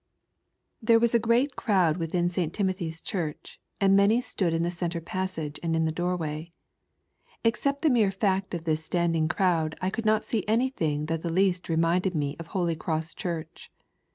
There was a great crowd within St. Timothy's Church, and many stood in the centre passage and in the doorway. Except the mere fact of this standing crowd I could not see anything that the least reminded me of Holy Cross Church.